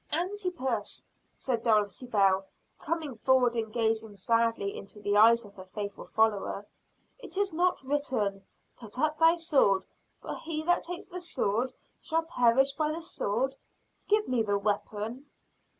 "Antipas," said Dulcibel, coming forward and gazing sadly into the eyes of her faithful follower, "is it not written, 'Put up thy sword; for he that takes the sword shall perish by the sword'? Give me the weapon!"